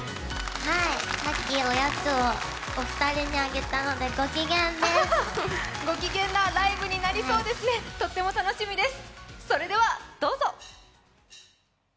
はい、さっき、おやつをお二人にあげたので、ご機嫌なライブになりそうですね、とっても楽しみです。